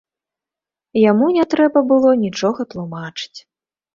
Яму не трэба было нічога тлумачыць.